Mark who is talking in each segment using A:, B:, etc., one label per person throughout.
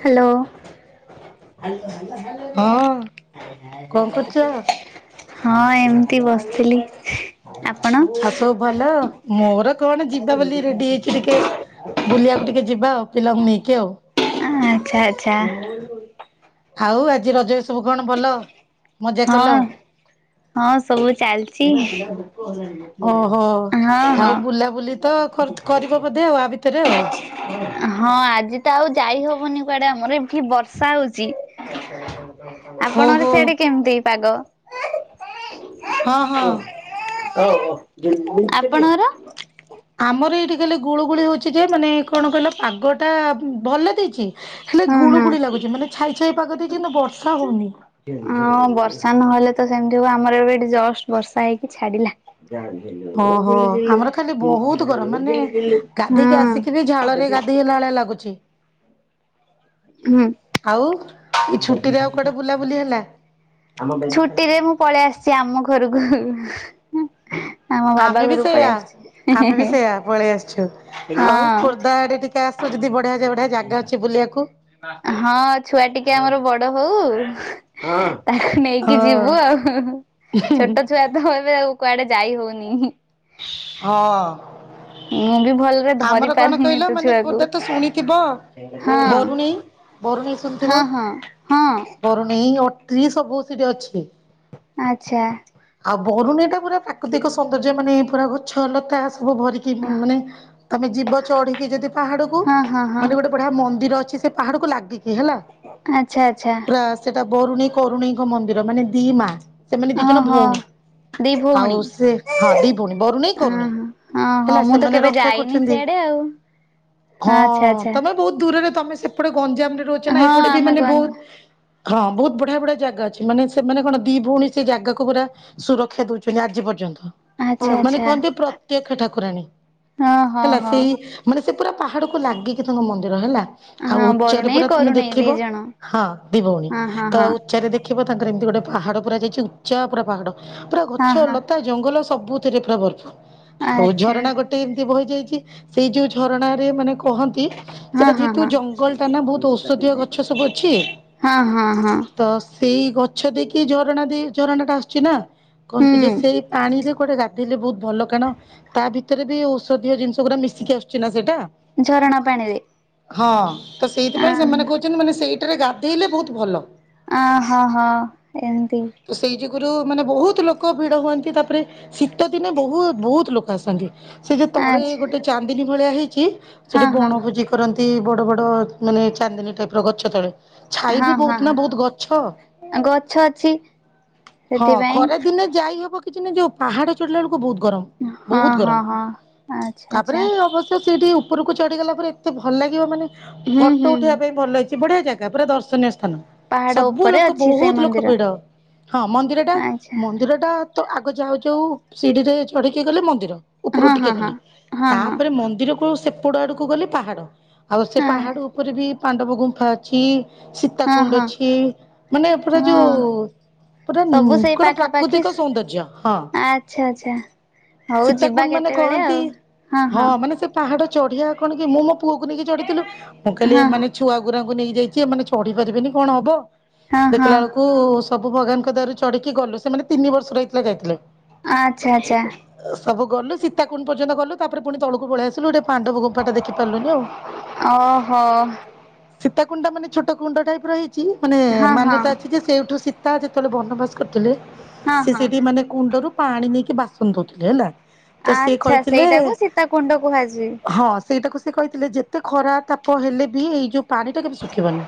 A: Hello.
B: ହଁ କଣ କରୁଚ?
A: ହଁ ଏମିତି ବସିଥିଲି। ଆପଣ
B: ଆଉ ସବୁ ଭଲ ମୋର କଣ ଯିବା ବୋଲି ରେଡି ହେଇଚି ଟିକେ ବୁଲିବାକୁ ଟିକେ ଯିବା ଆଉ ପିଲାଙ୍କୁ ନେଇକି ଆଉ।
A: ଆଁ ଆଚ୍ଛା ଆଚ୍ଛା।
B: ଆଉ ଆଜି ରଜରେ ସବୁ କଣ ଭଲ ମଜା
A: ହଁ।
B: କଲ?
A: ହଁ ସବୁ ଚାଲିଚି ହଁ ହଁ।
B: କର୍ତ କରିବ ବୋଧେ ଆଉ ଆ ଭିତରେ ଆଉ?
A: ହଁ ଆଜି ତ ଆଉ ଯାଇ ହବନି କୁଆଡେ ଆମର ଏଠି ବର୍ଷା ହଉଚି। ଆପଣଙ୍କର
B: ଓହୋ
A: ସିଆଡେ କେମିତି ପାଗ?
B: ହଁ ହଁ
A: ଆପଣଙ୍କର?
B: ଆମର ଏଇଠି କହିଲେ ଗୁଳୁଗୁଳି ହଉଚି ଯେ ମାନେ କଣ କହିଲ ପାଗଟା ଭଲ ଦେଇଚି ହେଲେ
A: ହଁ
B: ଗୁଳୁ
A: ହଁ
B: ଗୁଳି ଲାଗୁଚି ମାନେ ଛାଇ ଛାଇ ପାଗ ଦେଇଚି କିନ୍ତୁ ବର୍ଷା ହଉନି।
A: ହଁ ବର୍ଷା ନହେଲେ ତ ସେମିତି ହବ ଆମର ଏବେ ଏଠି ଜଷ୍ଟ ବର୍ଷା ହେଇକି ଛାଡିଲା।
B: ଓହୋ ଆମର ଖାଲି ବହୁତ
A: ହୁଁ।
B: ସେ ବି ଝାଳରେ ଗାଧୋଇ ହେଲା ଭଳିଆ ଲାଗୁଚି।
A: ହୁଁ
B: ଆଉ ଏଇ ଛୁଟିରେ ଆଉ କଆଡେ ବୁଲାବୁଲି ହେଲା?
A: ଛୁଟିରେ ମୁଁ ପଳେଇ ଆସିଚି ଆମ ଘରକୁ। ଆମ ବାବା
B: ଆମେ ବି
A: ଘରକୁ
B: ସେଇୟା
A: ପଳେଇ ଆସିଛି।
B: ଆମେ ବି ସେଇୟା ପଳେଇ ଆସିଚୁ ଆଉ
A: ହଁ
B: ଖୋର୍ଦ୍ଧା ଆଡେ ଟିକେ କେ ଆସ ଯଦି ବଢିଆ ଯା ବଢିଆ ଜାଗା ଅଛି ବୁଲିବାକୁ।
A: ହଁ ଛୁଆ ଟିକେ ଆମର ବଡ ହଉ ନେଇକି
B: ହଁ
A: ଯିବୁ ଆଉ ଛୋଟ ଛୁଆ ତ ଏବେ ଆଉ କୁଆଡେ ଯାଇ ହଉନି।
B: ହଁ।
A: ମୁଁ ବି ଭଲରେ ଧରି ପାରୁନି
B: କହିଲ
A: ତୋ
B: ମାନେ
A: ଛୁଆକୁ
B: ଖୋର୍ଦ୍ଧା ତ ଶୁଣିଥିବ
A: ହଁ।
B: ବରୁଣେଇ ବରୁଣେଇ ଶୁଣିଥିବ
A: ହଁ ହଁ ହଁ
B: ବରୁଣେଇ ଅଟ୍ରି ସବୁ ସେଠି ଅଛି।
A: ଆଚ୍ଛା।
B: ଆଉ ବରୁଣେଇଟା ପୁରା ପାକୃତିକ ସୌନ୍ଦର୍ଯ୍ୟ ମାନେ ପୁରା ଗଛ, ଲତା ସବୁ ଭରିକି ମ ମାନେ ତମେ ଯିବ ଚଢିକି ଯଦି ପାହାଡକୁ
A: ହଁ ହଁ ହଁ
B: ମାନେ ଗୋଟେ ଗୋଟେ ବଢିଆ ମନ୍ଦିର ଅଛି ସେ ପାହାଡକୁ ଲାଗିକି ହେଲା,
A: ଆଚ୍ଛା ଆଚ୍ଛା
B: ପ୍ରାସ ସେଟା ବରୁଣେଇ କରୁଣେଇଙ୍କ ମନ୍ଦିର ମାନେ ଦି ମା ସେମାନେ ଦି ଜଣ
A: ଓହୋ।
B: ଭଉଣୀ।
A: ଦି
B: ଆଉ
A: ଭଉଣୀ
B: ସେ ହଁ ଦି ଭଉଣୀ ବରୁଣେଇ, କରୁଣେଇ
A: ଓହୋ ହଁ ହଁ
B: ହେଲା
A: ମୁଁ ତ
B: ସେମାନେ
A: କେବେ
B: ରକ୍ଷା
A: ଯାଇନି
B: କରୁଛନ୍ତି। ଦି
A: ସିଆଡେ ଆଉ।
B: ହଁ
A: ଆଚ୍ଛା ଆଚ୍ଛା
B: ତମେ ବହୁତ ଦୂରରେ ତମେ ସେପଟେ ଗଞ୍ଜାମରେ ରହୁ କାହିଁକିନା
A: ହଁ
B: ଏପଟେ ବି
A: ଆମେ
B: ମାନେ
A: ଗଞ୍ଜ
B: ବହୁତ ହଁ ବହୁତ ବଢିଆ ବଢିଆ ଜାଗା ଅଛି, ମାନେ ସେମାନେ କଣ ଦି ଭଉଣୀ ସେ ଜାଗାକୁ ପୁରା ସୁରକ୍ଷା ଦଉଛନ୍ତି ଆଜି ପର୍ଯ୍ୟନ୍ତ,
A: ଆଚ୍ଛା
B: ମାନେ
A: ଆଚ୍ଛା।
B: କହନ୍ତି ପ୍ରତ୍ୟକ୍ଷ ଠାକୁରାଣୀ।
A: ହଁ ହଁ
B: ହେଲା
A: ହଁ
B: ସେଇ ମାନେ ସେ ପୁରା ପାହାଡକୁ ଲାଗିକି ତାଙ୍କ ମନ୍ଦିର ହେଲା। ଆଉ
A: ହଁ
B: ଉଚ୍ଚରେ
A: ବରୁଣେଇ
B: ପୁରା ତୁମେ
A: କରୁଣେଇ ଦି
B: ଦେଖିବ
A: ଜଣ
B: ହଁ ଦି ଭଉଣୀ,
A: ହଁ ହଁ
B: ତ
A: ହଁ।
B: ଉଚାରେ ଦେଖିବ ତାଙ୍କର ଏମିତି ଗୋଟେ ପାହାଡ ପୁରା ଯାଇଛି ଉଚା ପୁରା ପାହାଡ, ପୁରା
A: ହଁ
B: ଗଛ
A: ହଁ
B: ଲତା ଜଙ୍ଗଲ ସବୁଥିରେ ପୁରା ବର୍ଫ ପୁରୁ ଆଉ
A: ଆଚ୍ଛା
B: ଝରଣା ଗୋଟେ ଏମିତି ବହିଯାଇଛି। ସେଇ ଯୋଉ ଝରଣ ରେ ମାନେ କୁହନ୍ତି।
A: ହଁ
B: ସେଟା
A: ହଁ
B: ଯେହେତୁ
A: ହଁ
B: ଜଙ୍ଗଲ ଟା ନା ବହୁତ ଔଷଧୀୟ ଗଛ ସବୁ ଅଛି,
A: ହଁ ହଁ ହଁ।
B: ତ ସେଇ ଗଛ ଦେଇକି ଝରଣା ଦେଇ ଝରଣା ଟା ଆସୁଛି ନା, କୁହନ୍ତିୁ ଯେ ସେଇ
A: ହୁଁ
B: ପାଣିରେ ଗୋଟେ ଗାଧୋଇଲେ ବହୁତ ଭଲ କାଣ ତା ଭିତରେ ବି ଔଷଧୀୟ ଜିନିଷ ଗୁଡା ମିଶିକି ଆସୁଛି ନା ସେଇଟା।
A: ଝରଣା ପାଣିରେ
B: ହଁ, ତ ସେଇଥିପାଇଁ ସେମାନେ କହୁ
A: ଅ
B: ଚନି ମାନେ ସେଇଟାରେ ଗାଧେଇଲେ ବହୁତ ଭଲ।
A: ଅହୋ ହଁ ଏମତି।
B: ତ ସେଇ ଯୁଗୁରୁ ମାନେ ବହୁତ ଲୋକ ଭିଡ ହୁଅନ୍ତି, ତାପରେ ଶୀତ ଦିନେ ବହୁ ବହୁତ ଲୋକ ଆସନ୍ତି। ସେ ଯୋ ତଳେ
A: ଆଚ୍ଛା
B: ଗୋଟେ ଚାନ୍ଦିନୀ ଭଳିଆ ହେଇଛି
A: ହଁ
B: ସେଠି
A: ହଁ।
B: ବଣଭୋଜି କରନ୍ତି, ବଡ଼ ବଡ଼ ମାନେ ଚାନ୍ଦିନୀ ଟାଇପ୍ ର ଗଛ ତଳେ। ଛାଇ
A: ହଁ
B: ବି
A: ହଁ
B: ବହୁତ ନା
A: ହଁ
B: ବହୁତ ଗଛ।
A: ଗଛ ଅଛି
B: ହଁ
A: ସେଥିପାଇଁ
B: ଖରା ଦିନେ ଯାଇ ହବ କିଛି ନାହିଁ ଯୋଉ ପାହାଡ ଚଢିଲା ବେଳକୁ ବହୁତ ଗରମ।
A: ହଁ
B: ବହୁତ
A: ହଁ
B: ଗରମ।
A: ହଁ। ଆଚ୍ଛା
B: ତାପରେ
A: ଆଚ୍ଛା
B: ଅବଶ୍ୟ ସେଇଠି ଉପରକୁ ଚଢିଗଲା ପରେ ଏତେ ଭଲ ଲାଗିବ ମାନେ
A: ହୁଁ
B: ଫଟୋ
A: ହୁଁ
B: ଉଠେଇବା ପାଇଁ ଭଲ ହେଇଛି। ସେ ବଢିଆ ଜାଗା ପୁରା ଦର୍ଶନୀୟ ସ୍ଥାନ।
A: ପାହାଡ
B: ସବୁ
A: ଉପରେ
B: ଲୋକ
A: ଅଛି ସେ
B: ବହୁତ ଲୋକ
A: ମନ୍ଦିର।
B: ଭିଡ ହଁ ମନ୍ଦିର ଟା
A: ଆଚ୍ଛା
B: ମନ୍ଦିରଟା ତ ଆଗ ଯାଉ ଯାଉ ସିଡିିରେ ଚଢିକି ଗଲେ ମନ୍ଦିର
A: ହଁ
B: ଉପରୁକୁ
A: ହଁ
B: ଟିକେ
A: ହଁ
B: ଗଲେ।
A: ହଁ ହଁ
B: ତାପରେ ମନ୍ଦିରକୁ ସେପଡ ଆଡକୁ ଗଲେ ପାହାଡ ଆଉ ସେ ପାହାଡ ଉପରେ ବି ପାଣ୍ଡବ ଗୁମ୍ଫା ଅଛି,
A: ହଁ
B: ସୀତାକୁୁଣ୍ଡ
A: ହଁ।
B: ଅଛି, ମାନେ ପୁରା ଯୋଉ
A: ହଁ
B: ପୁରା ଉଁ
A: ସବୁ ସେଇ
B: କଣ ପ୍ରାକୃତିକ
A: ପାଖାପାଖି
B: ସୌନ୍ଦର୍ଯ୍ୟ ହଁ।
A: ଆଚ୍ଛା ଆଚ୍ଛା ହଉ ଯିବା
B: ସୀତାକୁୁଣ୍ଡ ମାନେ
A: କେତେବେଳେ
B: କହନ୍ତି।
A: ଆଉ
B: ହଁ ମାନେ ସେ ପାହାଡ ଚଢିଆ କଣ କି ମୁଁ ମୋ ପୁଅକୁ ନେଇକି ଚଢିଥିଲୁ ମୁଁ କହିଲି ଏ
A: ହଁ
B: ମାନେ ଛୁ ଛୁଆଗୁୁରାଙ୍କୁ ନେଇ ଯାଇଛି ଏମାନେ ଚଢି ପାରିବେନି କଣ ହବ,
A: ହଁ ହଁ
B: ଦେଖିଲା ବେଳକୁ କୁ ସବୁ ଭଗବାନଙ୍କ ଦୟା ରୁ ଚଢିକି ଗଲୁ ସେମାନେ ତିନି ବର୍ଷର ଯାଇଥିଲେ।
A: ଆଚ୍ଛା ଆଚ୍ଛା।
B: ସବୁ ଗଲୁ ସୀତାକୁଣ୍ଡ ପର୍ଯ୍ୟନ୍ତ ଗଲୁ, ତାପରେ ପୁଣି ତଳକୁ ପଳେଇ ଆସିଲୁ ଗୋଟେ ପାଣ୍ଡବ ଗୁମ୍ଫା ଟା ଦେଖି ପାରିଲୁନି ଆଉ।
A: ଓହୋ।
B: ସୀତା କୁଣ୍ଡା ମାନେ ଛୋଟ କୁଣ୍ଡ ଟାଇପ ର ହେଇଛି ମାନେ
A: ହଁ ହଁ
B: ମାନ୍ୟତା ଅଛି ଯେ ସେଇଠୁ ସି ତ ଯେତେବେଳେ ବନବାସ କରିଥିଲେ
A: ହଁ
B: ସେ
A: ହଁ।
B: ସେଠି ମାନେ କୁଣ୍ଡରୁ ପାଣି ନେଇକି ବାସନ ଧୋଉଥିଲେ ହେଲା ତ ସିଏ କହିଥିଲେ।
A: ସିତା କୁଣ୍ଡ କୁହାଯାଏ।
B: ହଁ ସେଇଟାକୁ ସେ କହିଥିଲେ ଯେତେ ଖରା ତାପ ହେଲେ ବି ଏଇ ଯୋଉ ପାଣି ଟା କେବେ ଶୁଖିବନି।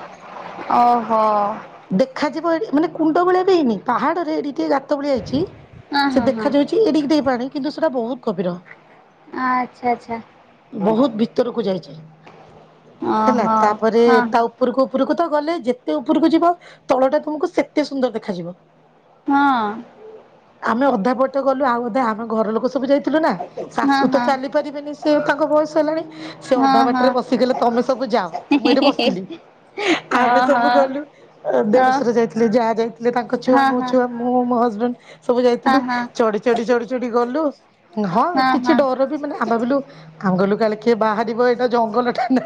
A: ଓହୋ
B: ଦେଖାଯିବ ଏଡ଼େ ମାନେ କୁଣ୍ଡ ଭଳିଆ ବି ହେଇନି ପାହାଡରେ ଏଡ଼ିଟିଏ ଗାତ ଭଳିଆ ହେଇଛି
A: ହଁ
B: ସେ
A: ହଁ ହଁ।
B: ଦେଖାଯାଉଛି ଏଡିକି ଟିଏ ପାଣି କିନ୍ତୁ ସେଟା ବହୁତ ଗଭୀର।
A: ଆଚ୍ଛା ଆଚ୍ଛା।
B: ବହୁତ ଭିତରକୁ ଯାଇଛି ହେଲା
A: ଓହୋ
B: ତାପରେ
A: ହଁ
B: ଟା
A: ହଁ।
B: ଉ ଉପରକୁ ଉପରକୁ ତ ଗଲେ ଯେତେ ଉପରକୁ ଯିବ ତଳଟା ତୁମକୁ ସେତେ ସୁନ୍ଦର ଦେଖାଯିବ।
A: ହଁ।
B: ଆମେ ଅଧା ପଟ ଗଲୁ ଆଉ ଅଧା ଆମେ ଘର ଲୋକ ସବୁ ଯାଇଥିଲୁ ନା ସା
A: ହଁ
B: ଶୁ ତ ଚାଲି
A: ହଁ
B: ପାରିବେନି ସେ ତାଙ୍କ ବୟସ ହେଲାଣି ସେ
A: ହଁ
B: ଅଧା ବାଟରେ
A: ହଁ
B: ବସିଗଲେ ତମେ ସବୁ ଯାଅ। ମୁଁ ଏଇଠି ବସିଲି
A: ଓହୋ। ଓ
B: ଆମେ
A: ହଁ
B: ସବୁ ଗଲୁ
A: ହଁ
B: ଦେଢସୁର ଯାଇଥିଲେ ଯାହା ଯାଇ ଯେ ତାଙ୍କ ଛୁଆ
A: ହଁ
B: ମୋ ଛୁଆ ମୁଁ ମୋ ହଜବେଣ୍ଡ ସବୁ ଯାଇଥିଲୁ
A: ହଁ।
B: ଚଢି ଚଢି ଚଢି ଚଢି ଗଲୁ ହଁ ଙ୍କର ବି ମାନେ ଆମେ ଭାବିଲୁ ଆମେ ଗଲୁ କାଳେ କିଏ ବାହାରିବ ଜଙ୍ଗଲ ଟା ନା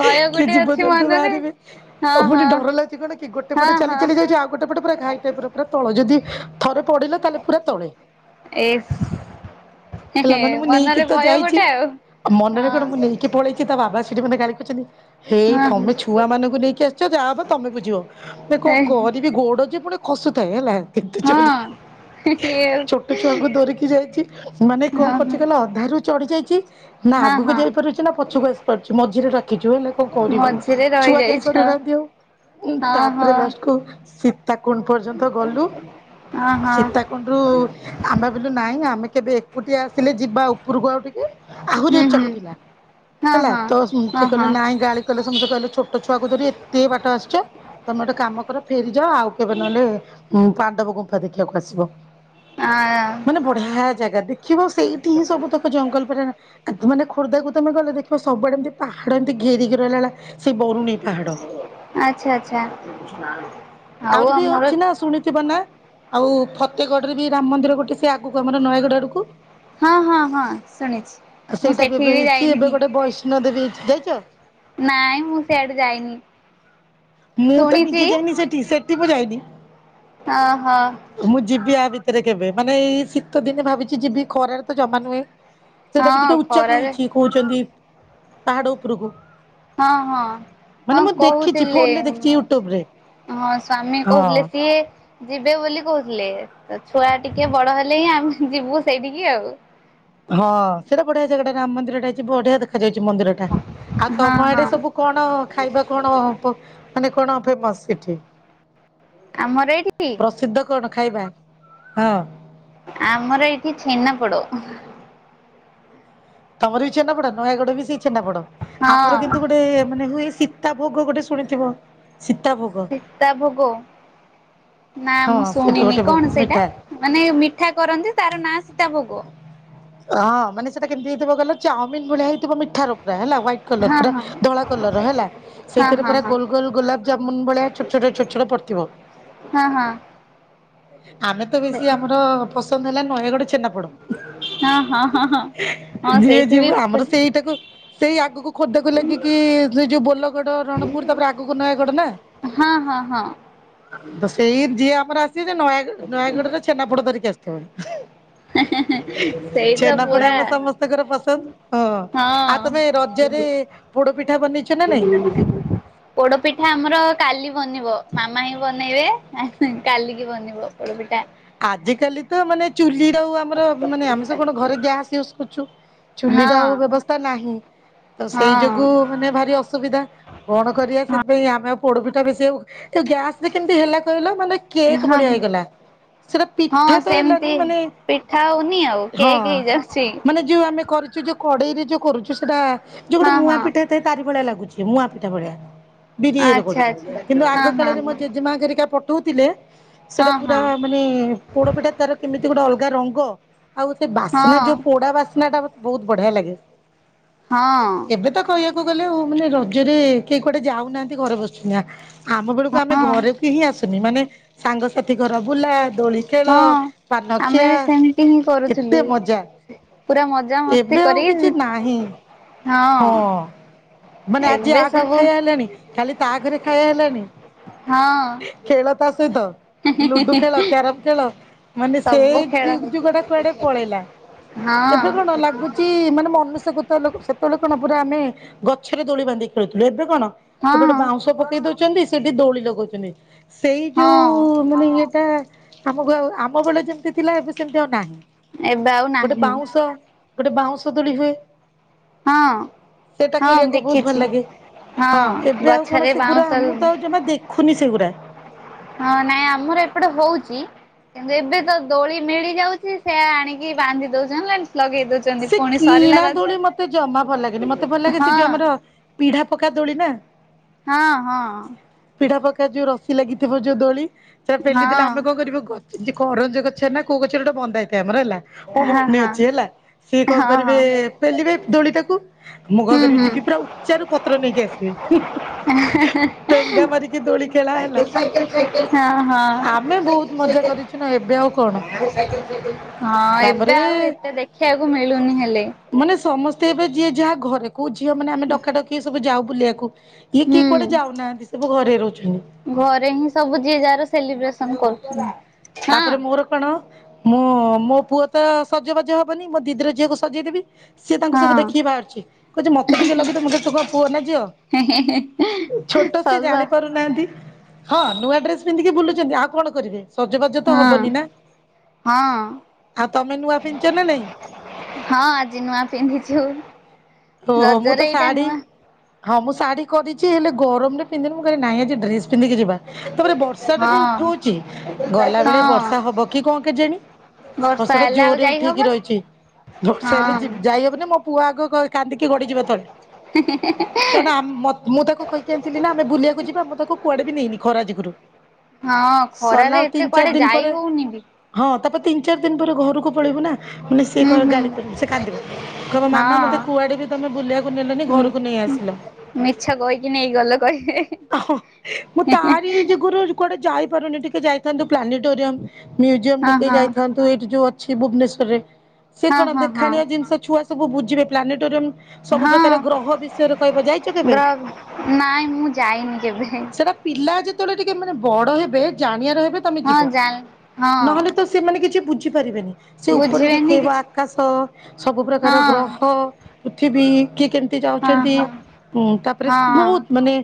A: ଭୟ
B: କିଏ
A: ଗୋଟେ
B: ଯିବ
A: ଅଛି
B: ଜନ୍ତୁ
A: ମନରେ
B: ବାହାରିବେ।
A: ହଁ
B: ପୁଣି
A: ହଁ।
B: ଡର ଲାଗୁଛି କଣ କି ଗୋଟେ ପଟେ
A: ହଁ
B: ଚାଲି
A: ହଁ
B: ଚାଲି ଯାଇଛୁ ଆ ଗୋଟେ ପଟେ ପୁରା ଘାଇ ଟାଇପ ର ପୁରା ତଳ ଯଦି ଥରେ ପଡିଲା ତାହେଲେ ପୁରା ତଳେ।
A: ଏସ
B: ହେଲା ମାନେ ମୁଁ ନେଇକି
A: ମନରେ
B: ତ
A: ଭୟ
B: ଯାଇଛି।
A: ଗୋଟେ ଆଉ।
B: ଆଉ ମନରେ କଣ ମୁଁ ନେଇକି ପଳେଇକି ତା ବାବା ସେଠି ମୋତେ ଗାଳି କରୁଛନ୍ତି ହେଇ
A: ହଁ ହଁ
B: ତମେ ଛୁଆ ମାନଙ୍କୁ ନେଇକି ଆସି ଛ ଯାହା ହବ ତମେ ବୁଝିବ ମୁ କଣ
A: ହଁ
B: କରିବି ଗୋଡ ଯେ ପୁଣି ଖସୁଥାଏ ହେଲା। କେତେ
A: ହଁ।
B: ଜୋରେ
A: ହଁ
B: ଛୋଟ
A: ହଁ
B: ଛୁଆଙ୍କୁ ଧରିକି ଯାଇଛି। ମାନେ କଣ କରୁଛି କହିଲ ଅଧାରୁୁ ଚଢି ଯାଇଛି। ନା
A: ହଁ
B: ଆଗକୁ
A: ହଁ
B: ଯାଇପାରୁଛି ନା ପଛକୁ ଆସି ପାରୁଛି ମଝିରେ ଲାଖିଛୁ ହେଲା କଣ କରିବୁ।
A: ମଝିରେ
B: ଛୁଆ ଯାଇ
A: ରହିଯାଇଛ।
B: ପାରୁନାହାନ୍ତି ଆଉ
A: ହଁ
B: ତାପରେ
A: ହଁ
B: ଲାଷ୍ଟକୁୁ ଶୀ ସୀତାକୁଣ୍ଡ ପର୍ଯ୍ୟନ୍ତ ଗଲୁ
A: ହଁ ହଁ
B: ସୀତାକୁଣ୍ଡରୁ ଆମେ ଭବିଲୁ ନାଇଁ ଆମେ କେବେ ଏକୁଟିଆ ଆସିଲେ ଯିବା ଉପରକୁ ଆଉ ଟିକେ ଆହୁରି
A: ହୁଁ
B: ଉଚ୍ଚାକୁ
A: ହୁଁ
B: ଥିଲା
A: ହଁ
B: ହେଲା
A: ହଁ।
B: ତ ସେ
A: ହଁ
B: କହିଲେ
A: ହଁ
B: ନାଇଁ ଗାଳି କହିଲେ ସମସ୍ତେ କହିଲେ ଛୋଟ ଛୁଆକୁ ଯଦି ଏତେ ବାଟ ଆସିଛ ତମ ଗୋଟେ କାମ କର ଫେରିଯାଅ ଆଉ କେବେ ନହେଲେ ଉ ପାଣ୍ଡବ ଗୁମ୍ଫା ଦେଖିବାକୁ ଆସିବ
A: ହଁ
B: ମାନେ ବଢିଆ ଜାଗା ଦେଖିବ ସେଇଠି ହିଁ ସବୁ ତକ ଜଙ୍ଗଲ ପରେ ମାନେ ଖୋର୍ଦ୍ଧାକୁ ତମେ ଗଲେ ଦେଖିବ ସବୁବେଳେ ଏମିତି ପାହାଡ଼ ଏମିତି ଘେରି କି ରହିଲା ଭଳିଆ ସେ ବରୁଣେଇ ପାହାଡ
A: ଆଚ୍ଛା ଆଚ୍ଛା ଆଉ
B: ଆହୁରି ବି
A: ଆମର
B: ଅଛି ନା ଶୁଣିଥିବ ନା ଆଉ ଫତେଗଡ ରେ ବି ରାମ ମନ୍ଦିର ଗୋଟେ ସେ ଆଗକୁ ଆମର ନୟାଗଡ଼ ଆଡକୁ
A: ହଁ ହଁ ହଁ ଶୁଣିଛି
B: ଆ
A: ମୁଁ
B: ସେଇଟା ବି
A: ସେଠିକି
B: ଏବେ ହେଇଛି ଏବେ
A: ଯାଇନି।
B: ଗୋଟେ ବୈଷ୍ଣ ଦେବୀ ହେଇଛି ଯାଇଛ
A: ନାଇଁ ମୁଁ ସେଆଡେ ଯାଇନି
B: ମୁଁ ତ
A: ଶୁଣିଛି
B: ନିଜେ ଯାଇନି ସେଠିକି ସେଠି ଯାଇନି
A: ଓହୋ
B: ମୁଁ ଯିବି ଆ ଭିତରେ କେବେ ମାନେ ଏଇ ଶୀତ ଦିନେ ଭାବିଛି ଯିବି ଖରାରେ ତ ଜମା ନୁହେଁ ସେଇଟା
A: ହଁ
B: ବି ଟିକେ ଉଚ୍ଚାକୁ
A: ଖରାରେ
B: ହେଇଛି କହୁଛନ୍ତି ପାହାଡ ଉପରକୁ
A: ହଁ ହଁ
B: ମାନେ
A: ହଁ
B: ମୁଁ ଦେଖିଛି
A: କହୁଥିଲେ
B: ଫୋନରେ ଦେଖିଛି
A: ମାଉସୀ।
B: ୟୁଟ୍ୟୁବ ରେ
A: ହଁ ସ୍ଵାମୀ
B: ହଁ।
A: କହୁଥିଲେ କି ଯିବେ ବୋଲି କହୁଥିଲେ ତ ଛୁଆ ଟିକେ ବଡ ହେଲେ ହିଁ ଆମେ ଯିବୁ ସେଇଠିକି ଆଉ।
B: ହଁ ସେଇଟା ବଢିଆ ଜାଗ ଗଟା ରାମ ମନ୍ଦିରା ଟା ହେଇଛି ବଢିଆ ଦେ ଖାଯାଉଛି ମନ୍ଦିର ଟା ଆଉ
A: ହଁ
B: ତମ ଆଡେ
A: ହଁ
B: ସବୁ କଣ ଖାଇବା କଣ ମାନେ କଣ ଫେମସ ସେଠି
A: ଆମର ଏଇଠି
B: ପ୍ରସିଦ୍ଧ କଣ? ଖାଇବା ହଁ
A: ଆମର ଏଇଠି ଛେନାପୋଡ।
B: ତମର ବି ଛେନାପଡା ନୟାଗଡ ବି ସେଇ ଛେନାପଡ। ଆମର
A: ହଁ
B: କିନ୍ତୁ ଗୋଟେ ମାନେ ହୁଏ ଶୀ ତା ଭୋଗ ଗୋଟେ ଶୁଣିଥିବ? ସୀତା ଭୋଗ
A: ସୀତା ଭୋଗ ନା
B: ହଁ
A: ମୁଁ
B: ସେଇଟା
A: ଶୁଣିନି
B: ଗୋଟେ
A: କଣ ସେଟା?
B: ମିଠା।
A: ମାନେ ମିଠା କରନ୍ତି ତାର ନାଁ ସୀତା ଭୋଗ।
B: ହଁ ମାନେ ସେଟା କେମିତି ହେଇଥିବ କାହିଲ ଚାଉମିନ ଭଳିଆ ହେଇଥିବ ମିଠା ରା ପୁରା। ଲର
A: ହଁ
B: ପୁରା
A: ହଁ
B: ଧଳା କଲର ହେଲା
A: ହଁ
B: ସେଇଥିରେ
A: ହଁ
B: ପା
A: ହଁ
B: ଗୋଲ ଗୋଲ ଗୋଲାପ ଜାମୁନ ଭଳିଆ ଛୋଟ ଛୋଟ ଛୋଟ ଛୋଟ ହେଇ ଥିବା।
A: ହଁ ହଁ
B: ଆମେ ତ
A: ସେ
B: ବେଶୀ ଆମର ପସନ୍ଦ ହେଲା ନୟାଗଡ ଛେନାପୋଡ।
A: ହଁ ହଁ ହଁ ହଁ ହଁ
B: ଯିଏ
A: ସେଇଠି ବି
B: ଯିବ ଆମର ସେଇଟାକୁ ସେଇ ଆଗକୁ ଖୋର୍ଦ୍ଧାକୁ ଲାଗିକି ସେ ଯୋଉ ବୋଲଗଡ ରଣପୁର ତାପରେ ଆଗକୁ ନୟାଗଡ ନା।
A: ହଁ ହଁ ହଁ।
B: ତ ସେଇ ଯିଏ ଆମର ଆସିବ ସେ ନୟାଗଡ ନୟାଗଡରେ ଛେନାପୋଡ ଧରିକି ଆସିଥିବ।
A: ସେଇଟା
B: ଛେନାପୋଡ
A: ପୁରା
B: ଆମ ସମସ୍ତଙ୍କର ପସନ୍ଦ। ହଁ ଆଉ
A: ହଁ।
B: ତମେ ରଜରେ ପୋଡ଼ ପିଠା ବନେଇ
A: ଏ ପୋଡପିଠା ଆମର କାଲି ବନିବ। ମାମା ହିଁ ବନେଇବେ କାଲିକି ବନିବ ପୋଡପିଠା।
B: ଆଜ କାଲି ତ ମାନେ ଚୁଲି ର ଆର ମାନେ ଆମେ କଣ ଘରେ ଗ୍ୟାସ୍ ଇଉଜ କରୁଛୁ ଚୁଲି
A: ହଁ
B: ର ବ୍ୟବସ୍ଥା ନାହିଁ। ତ
A: ହଁ
B: ସେଇ ଯୋଗୁ ମାନେ ଭାରି ଅସୁବିଧା। କଣ କରିବା ସେଥିପାଇଁ ଆମେ ଆ ପୋଡପିଠା ବେଶୀ ଆଉ ଗ୍ୟାସ ରେ କେମିତି ହେଲା କହିଲ। ମାନେ କେକ୍
A: ହଁ
B: ଭଳିଆ
A: ହଁ।
B: ହେଇଗଲା। ସେଟା ପିଠା
A: ହଁ
B: ତ ହେଲାନି
A: ସେମିତି
B: ମାନେ
A: ପିଠା ହଉନି ଆଉ
B: ହଁ
A: କେକ୍ ହେଇଯାଉଛି।
B: ମାନେ ଯଉ ଆମେ କରିଛୁ ଯୋଉ କଡେଇରେ ଯୋଉ କରୁଛୁ ସେଟା ଯୋଉ ଗୋଟେ
A: ହଁ
B: ମୁୂଆ
A: ହଁ
B: ପିଠା ଏଥିରେ ତାରି ଭଳିଆ ଲାଗୁଛି ମୁଁ [inaudible] ଭଳିଆ। ବିରିରେ
A: ଆଚ୍ଛା
B: କରୁଛି
A: ଆଚ୍ଛା
B: କିନ୍ତୁ
A: ହଁ
B: ଆଗ
A: ହଁ
B: କାଳରେ ମୋ
A: ହଁ।
B: ଜେଜେ ମାଙ୍କରିକା ପଠଉଥିଲେ ସେଟା
A: ହଁ ହଁ
B: ପୁରା ମାନେ ପୋଡପିଠା ତାର କେମିତି ଗୋଟେ ଅଲଗା ରଙ୍ଗ ଆଉ ସେ ବାସ୍ନା
A: ହଁ
B: ଯୋଉ ପୋଡା ବାସ୍ନା ଟା ବହୁତ ବଢିଆ ଲାଗେ। ଏବେ
A: ହଁ
B: ତ କହିବାକୁ ଗଲେ ଉ ମାନେ ରଜରେ କେହି କୁଆଡେ ଯାଉନାହାନ୍ତି ଘରେ ବସିଛିି ନା। ଆମ ବେଳକୁ ଆମେ
A: ହଁ
B: ଘରେକି ହିଁ ଆସିନି ମାନେ ସାଙ୍ଗସାଥି ଘର ବୁଲା ଦୋଳିଖେଳ,
A: ହଁ। ଆମେ
B: ପାନଖିଆ
A: ବି ସେମିତି ହିଁ କରୁଥିଲୁ
B: ଏତେ ମଜା।
A: ପୁରା ମ
B: ଏବେ ଆଉ କିଛି ନାହିଁ। ହଁ ମାନେ ଆଜି ଆ
A: ଏବେ
B: ଆଗରେ
A: ସବୁ
B: ଖାଇବା ହେଲାଣି କାଲି ତା ଆଗରେ ଖାଇବା ହେଲାଣି।
A: ହଁ।
B: ଖେଳ ତା ସହିତ। ଲୁଡୁ ଖେଳ, କ୍ୟାରମ ଖେଳ। ମାନେ
A: ସବୁ
B: ସେଇ ଯୁ
A: ଖେଳ
B: ଯୁଗ ଟା କୁଆଡେ ପଳେଇଲା। ଏବେ କଣ
A: ହଁ
B: ଲାଗୁଛି ମାନେ ମନୁଷ୍ୟ କ ସେତେବେଳେ କଣ ପୁରା ଆମେ ଗଛରେ ଦୋଳି ବନ୍ଧୀକି ଖେଳୁଥିଲେ। ଏବେ କଣ
A: ହଁ
B: ଗୋଟେ ଗୋଟେ ବାଉଁଶ ପକେଇ ଦଉ ଦଉଛନ୍ତି ସେଠି ଦୋଳି ଲଗଉଛନ୍ତି। ସେଇ
A: ହଁ
B: ଯୋଉ ମାନେ ଇଏଟା ଆମ ଵେ ଆମ ବେଳେ ଯେମିତି ଥିଲା ଏବେ ସେମତି ଆଉ ନାହିଁ।
A: ଏବେ ଆଉ
B: ଗୋଟେ
A: ନାହିଁ
B: ବାଉଁଶ ଗୋଟେ ବାଉଁଶଦୋଳିରେ
A: ହଁ।
B: ସେଟା
A: ହଁ
B: ଖେଳିବାକୁ ବହୁତ ଭଲ
A: ଦେଖିଛି
B: ଲାଗେ। ହଁ ଏବେ ଆଉ କଣ
A: ଗଛରେ
B: ସେଗୁରା
A: ବାଉଁଶ
B: ଆମକୁତ ଆଉ ଜମା ଦେଖ ଖୁନି ସେଗୁରା।
A: ହଁ ନାଇଁ ଆମର ଏପଟେ ହଉଛି। କିନ୍ତୁ ଏବେ ତ ଦୋଳି ମିଳିଯାଉଛି। ସେ ଆଣିକି ବାନ୍ଧି ଦଉଛନ୍ତି, ଲଗେଇ ଦଉଛ
B: ସେ କିଣା ଦୋଳି ମତେ ଜମା ଭଲ ଲାଗେନି। ମତେ ଭଲ ଲାଗେ
A: ହଁ
B: ସେ ଯୋଉ ଆମର ପିଢା ପକା ଦୋଳି ନା?
A: ହଁ ହଁ।
B: ପିଢା ପକା ଯୋଉ ରସି ଲାଗିଥିବ ଯୋଉ ଦୋଳି। ସେଟା ପେଲି ଦେଲେ
A: ହଁ
B: ଆମେ କଣ କରିବ ଗୋ ଯେ କରଞ୍ଜ ଗଛ ନା କୋଉ ଗଛରେ ଗୋଟେ ବନ୍ଧା ହେଇଥାଏ ଆମର ହେଲା। ମୋ
A: ହଁ ହଁ
B: ମନେ
A: ହଁ
B: ଅଛି ହେଲା। ସେ କଣ
A: ହଁ
B: କରିବେ ପେଲିବେ ଦୋଳିଟାକୁ। ମୁଁ କଣ
A: ହୁଁ
B: କରିବି
A: ହୁଁ
B: ଯିବି ପୁରା ଉଚାରୁ ପତ୍ର ନେଇକି ଆସିବି। ଟେଙ୍ଗା ମାରିକି ଦୋଳି ଖେଳା ହେଲା।
A: ହଁ ହଁ
B: ଆମେ ବହୁତ ମଜା କରିଛୁ। ନା ଏବେ ଆଉ କଣ?
A: ହଁ ଏବେ ଆଉ
B: ତାପରେ
A: ଏତେ ଦେଖିବାକୁ ମିଳୁନି ହେଲେ।
B: ମାନେ ସମସ୍ତେ ଏବେ ଯିଏ ଯାହା ଘରେ। କୋଉ ଝିଅ ମାନେ ଆମେ ଡକା ଡକି ସବୁ ଯାଉ ବୁଲିବାକୁ। ଇଏ କିଏ କୁଆଡ଼େ
A: ହୁଁ
B: ଯାଉନାହାନ୍ତି। ସବୁ ଘରେ ରହୁଛନ୍ତି।
A: ଘରେ ହିଁ ସବୁ ଯିଏ ଯାହାର ସେଲିବ୍ରେସନ କରୁଛନ୍ତି।
B: ତାପରେ
A: ହଁ।
B: ମୋର କଣ ମୁଁ ମୋ ପୁଅ ତ ସଜବାଜ ହବନି ମୋ ଦିଦିର ଝିଅକୁ ସଜେଇ ଦେବି। ସିଏ ତାଙ୍କୁ ସବୁ
A: ହଁ
B: ଦେଖିକି ବାହାରୁଛି। କହୁଛି ମତେ ଟିକେ ଲଗେଇ ଦବ ମୁଁ କହିଲି ତୁ କଣ ପୁଅ ନା ଝିଅ?
A: ହେଁ ହେଁ।
B: ଛୋଟ ସେ
A: ସରୁ ସା
B: ଜାଣିପାରୁନି। ନାହାନ୍ତି ହଁ ନୂଆ ଡ୍ରେସ ପିନ୍ଧିକି ବୁଲୁଛନ୍ତି। ଆଉ କଣ କରିବେ? ସଜବାଜ ତ
A: ହଁ
B: ହବନି ନା
A: ହଁ।
B: ଆଉ ତମେ ନୂଆ ପିନ୍ଧିଛ ନା ନାଇଁ
A: ହଁ ଆଜି ନୂଆ ପିନ୍ଧିଛୁ ଆଉ।
B: ଓହୋ ମୁଁ ତ ସାଢ଼ୀ ହଁ ମୁଁ ଶାଢୀ କରିଛି। ହେଲେ ଗରମରେ ପିନ୍ଧିନି ମୁଁ କହିଲି ନାଇଁ ଆଜି ଡ୍ରେସ ପିନ୍ଧିକି ଯିବା। ତାପରେ ବର୍ଷା ଟା
A: ହଁ
B: ବି ଉଠଉଛି। ଗଲା ବେଳେ
A: ହଁ।
B: ବର୍ଷା ହବ କି କଣ କେଜାଣି? ବର୍ଷା ଟା
A: ହେଲେ ଆଉ
B: ଜୋରେ
A: ଯାଇ
B: ଉଠେଇକି
A: ହବନି
B: ରହିଛି ବର୍ଷା ହେଲେ
A: ହଁ।
B: ଯିବି ଯାଇହବନି ମୋ ପୁଅ ଆଗ କାନ୍ଦିକି ଗଡ଼ିଯିବ ତଳେ।
A: ହେଁ ହେଁ ହେଁ।
B: କାଁଇନା ଆମ ମତ ମୁଁ ତାକୁ କହିକି ଆସିଥିଲି ନା ଆମେ ବୁଲିବାକୁ ଯିବା। ମୁଁ ତାକୁ କୁଆଡ଼େ ବି ନେଇନି ଖରା ଯୋଗୁରୁ।
A: ହଁ ହଁ
B: ସରିଲା
A: ଖରାରେ
B: ଆଉ
A: ଏତେ
B: ତିନି ଚାରି
A: କୁଆଡ଼େ
B: ଦିନ ପରେ
A: ଯାଇ ହଉନିବି।
B: ହଁ ତାପରେ ତିନି ଚାରି ଦିନ ପରେ ଘରକୁ ପଳେଇବୁ ନା। ମାନେ ସେ
A: ହୁଁ
B: କଣ
A: ହୁଁ
B: ଗାଳି କରିବ ସେ କାନ୍ଦିବ? କହିବ ମାମା ମତେ
A: ହଁ।
B: କୁଆଡ଼େ ବି ତମେ ବୁଲିଆକୁ ନେଲନି
A: ହୁଁ
B: ଘରକୁ ନେଇ ଆସିଲ।
A: ମିଛ କହିକି ନେଇଗଲ କହିବେ। ହେଁ ହେଁ।
B: କଆଡ଼େ ଯାଇପାରୁନି ଟିକେ ଯାଇଥାନ୍ତୁ ପ୍ଲାନିଟୋରିୟମ ମ୍ୟୁଜିୟମ
A: ହଁ
B: ଟିକେ
A: ହଁ।
B: ଯାଇଥାନ୍ତୁ। ତ ଏଇଠି ଯୋଉ ଅଛି ଭୁବନେଶ୍ବରରେ। ସେ
A: ହଁ
B: କଣ
A: ହଁ ହଁ
B: ଦେଖାଣିଆ ଜିନିଷ ଛୁଆ ସବୁ ବୁଝିବେ। ପ୍ଲାନେଟୋରିୟମ୍ ସବୁ
A: ହଁ
B: ପ୍ରକାର ଗ୍ରହ ବିଷୟରେ କହିବ। ଯାଇଛ କେବେ?
A: ଗ୍ର ନାଇଁ ମୁଁ ଯାଇନି କେବେ।
B: ସେଟା ପିଲା ଯେତେବେଳେ ଟିକେ ମାନେ ବଡ ହେବେ ଜାଣିଆର ହେବେ ତମେ
A: ହଁ
B: ଯିବ,
A: ଜାଣି ହଁ
B: ନହେଲେ ତ ସେମାନେ କିଛି ବୁଝିପାରିବେନି ସେ ଉପରେ
A: ବୁଝିବେନି
B: ଦେଖେଇବ
A: କିଛି
B: ଆକାଶ ସବୁ ପ୍ରକାର
A: ହଁ।
B: ଗ୍ରହ ଅ ପୃଥିବୀ କିଏ କେମିତି
A: ହଁ
B: ଯାଉଛନ୍ତି
A: ହଁ
B: ଉମ ତାପରେ
A: ହଁ
B: ବହୁତ
A: ହଁ
B: ମାନେ।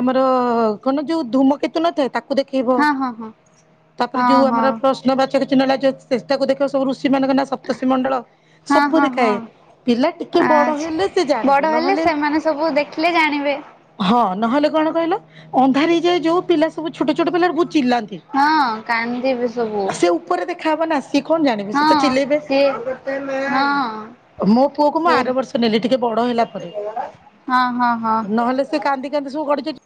B: ଆମର କଣ ଯୋଉ ଧୂମକେତୁ ନଥାଏ ତାକୁ କୁ ଦେଖେଇବ
A: ହଁ ହଁ
B: ତାପରେ
A: ହଁ
B: ଯୋଉ ଆମର
A: ହଁ।
B: ପ୍ରସ୍ ନ ବାଚକ ଚିହ୍ନ ହେଲା ଯେ ଚେଷ୍ଟାକୁ ଦେଖେଇଵ ସବୁ ଋଷି ମାନଙ୍କ ନା ସପ୍ତର୍ସିମଣ୍ଡଳ
A: ହଁ
B: ସବୁ
A: ହଁ
B: ଦେଖାଏ।
A: ହଁ
B: ପିଲା ଟିକେ ବଡ
A: ଆଚ୍ଛା
B: ହେଲେ ସେ
A: ବଡ
B: ଜାଣିବେ
A: ହେଲେ
B: ନହେଲେ
A: ସେମାନେ ସବୁ ଦେଖିଲେ ଜାଣିବେ।
B: ହଁ ନହେଲେ କଣ କହିଲ ଅନ୍ଧାର ହେଇଯାଏ ଯୋଉ ପିଲା ସବୁ ଛୋଟ ଛୋଟ ପିଲାରୁ ବହୁତ ଚିଲ୍ଲାନ୍ତି।
A: ହଁ କାନ୍ଦିବେ ସବୁ।
B: ଉପରେ ଦେଖାହବ ନା ସେ କଣ ଜାଣିବେ ସେ ତ
A: ହଁ
B: ଚିଲେଇବେ।
A: ସିଏ ହଁ।
B: ମୋ ପୁଅକୁ ମୁଁ
A: ସିଏ
B: ଆର ବର୍ଷ ନେଲି ଟିକେ ବଡ ହେଲା ପରେ
A: ହଁ ହଁ ହଁ।
B: ନହେଲେ ସେ କାନ୍ଦିକାନ୍ଦି ସୁ ଗଡିଯାଉଚି।